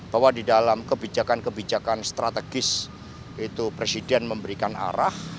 bahwa di dalam kebijakan kebijakan strategis itu presiden memberikan arah